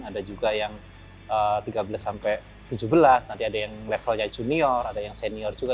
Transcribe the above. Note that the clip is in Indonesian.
ada juga yang tiga belas sampai tujuh belas nanti ada yang levelnya junior ada yang senior juga